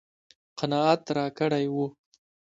قناعت راکړی و.